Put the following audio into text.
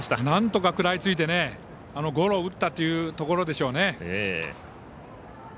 なんとか食らいついてゴロを打ったというところでしょうね。